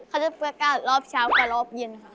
เขาจะประกาศรอบเช้ากับรอบเย็นค่ะ